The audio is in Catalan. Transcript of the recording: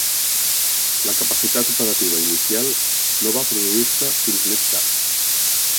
La capacitat operativa inicial no va produir-se fins més tard.